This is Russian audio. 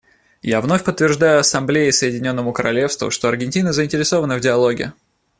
Я вновь подтверждаю Ассамблее и Соединенному Королевству, что Аргентина заинтересована в диалоге.